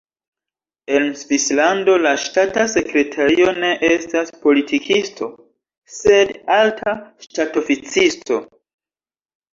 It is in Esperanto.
En Svislando la ŝtata sekretario ne estas politikisto, sed alta ŝtatoficisto.